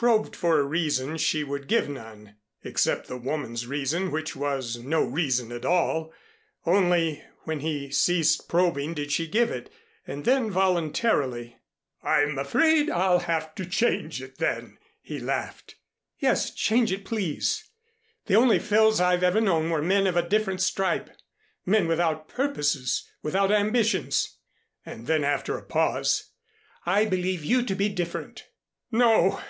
Probed for a reason, she would give none, except the woman's reason which was no reason at all. Only when he ceased probing did she give it, and then voluntarily. "I'm afraid I'll have to change it then," he laughed. "Yes, change it, please. The only Phils I've ever known were men of a different stripe men without purposes, without ambitions." And then, after a pause, "I believe you to be different." "No!